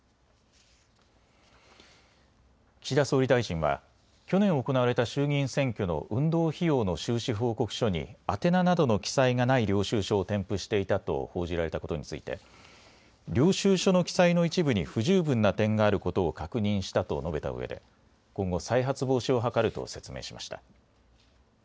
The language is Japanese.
岸田総理大臣は去年行われた衆議院選挙の運動費用の収支報告書に宛名などの記載がない領収書を添付していたと報じられたことについて、領収書の記載の一部に不十分な点があることを確認したと述べたうえで今後、再発防止を図ると説明しました。